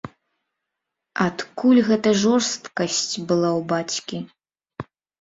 Адкуль гэтая жорсткасць была ў бацькі?